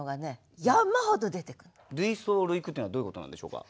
類想類句っていうのはどういうことなんでしょうか。